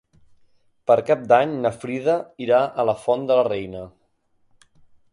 Per Cap d'Any na Frida irà a la Font de la Reina.